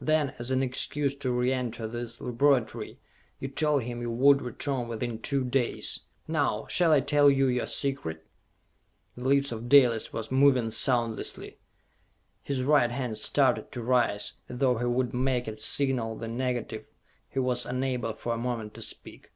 Then, as an excuse to re enter this laboratory, you told him you would return within two days! Now, shall I tell you your secret?" The lips of Dalis were moving soundlessly. His right hand started to rise, as though he would make it signal the negative he was unable for a moment to speak.